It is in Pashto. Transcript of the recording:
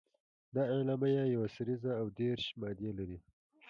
دا اعلامیه یوه سريزه او دېرش مادې لري.